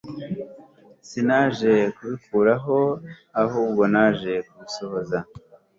Sinaje kubikuraho ahubwo naje kubisohoza